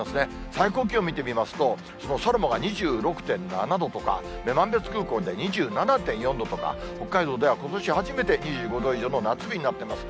最高気温見てみますと、その佐呂間が２６．７度とか、女満別空港で２７．４度とか、北海道ではことし初めて２５度以上の夏日になっています。